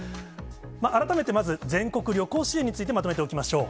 改めてまず全国旅行支援について、まとめておきましょう。